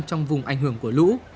trong vùng ảnh hưởng của lũ